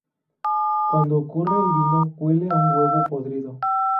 Cuando ocurre el vino huele a un huevo podrido.